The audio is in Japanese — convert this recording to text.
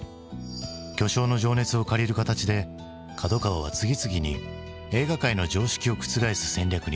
巨匠の情熱を借りる形で角川は次々に映画界の常識を覆す戦略に出る。